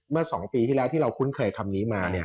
เมื่อ๒ปีที่เราคุ้นเคยคำนี้มา